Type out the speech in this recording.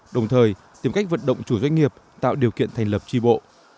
đồng thời tìm cách vận động chủ doanh nghiệp tạo điều kiện thành lập tri bộ